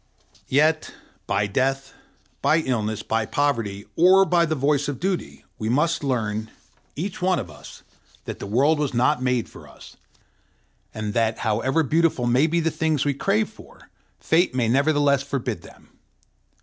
Yet, by death, by illness, by poverty, or by the voice of duty, we must learn, each one of us, that the world was not made for us, and that, however beautiful may be the things we crave for, Fate may nevertheless forbid them.